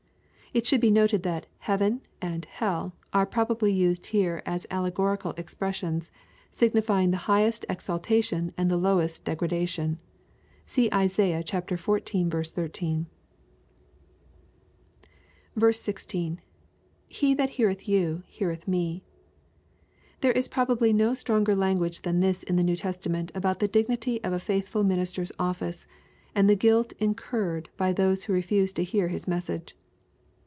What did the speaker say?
It should be noted that "heaven" and "hell" are probably used here as allegorical expressions, signifying the highest exaltation and the lowest degradation. (See Isa. xiv. 13.) 16, — [He that heareih you heareth me.] There is probably no stronger language than this in the New Testament about the dignity of a faithful minister's ofl&ce, and the guilt incurred by those who refuse to hear his message.